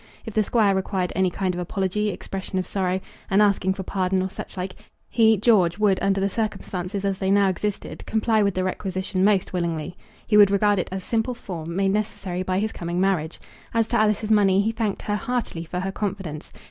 If the Squire required any kind of apology, expression of sorrow, and asking for pardon, or such like, he, George, would, under the circumstances as they now existed, comply with the requisition most willingly. He would regard it as a simple form, made necessary by his coming marriage. As to Alice's money, he thanked her heartily for her confidence.